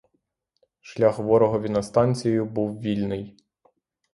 Шлях ворогові на станцію був вільний.